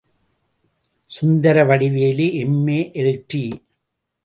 Sundaravadivelu, M A., எல்.டி.